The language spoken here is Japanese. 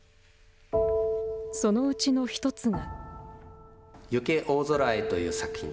そのうちの１つが。